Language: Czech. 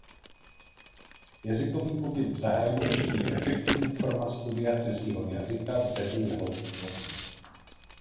Jazykový pobyt v zahraničí je efektivní forma studia cizího jazyka v zemi jeho původu.